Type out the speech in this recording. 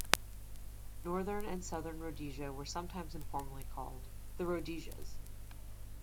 Northern and Southern Rhodesia were sometimes informally called "the Rhodesias".